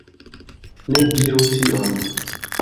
Ne diru tion